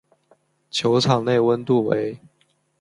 球场内温度为。